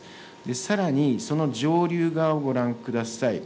さらにその上流側をご覧ください。